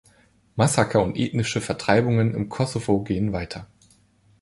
Massaker und ethnische Vertreibungen im Kosovo gehen weiter.